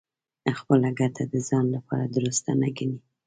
خپله ګټه د ځان لپاره دُرسته نه ګڼي.